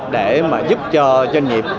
để mà giúp cho doanh nghiệp